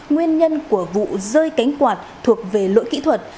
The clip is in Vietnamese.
nguyên nhân của vụ rơi cánh quạt thuộc về lỗi kỹ thuật